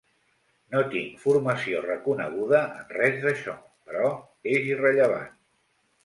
No tinc formació reconeguda en res d'això, però és irrellevant.